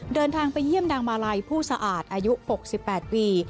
เดินทางไปเยี่ยมนางมาลัยผู้สะอาดอายุ๖๘ปี